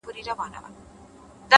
خپل اصول مه پلورئ؛